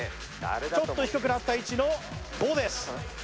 ちょっと低くなった位置の５です